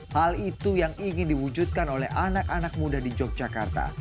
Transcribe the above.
hal itu yang ingin diwujudkan oleh anak anak muda di yogyakarta